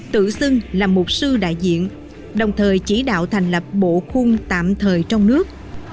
tự xưng là một sư đại diện đồng thời chỉ đạo thành lập bộ khung tạm thời trong nước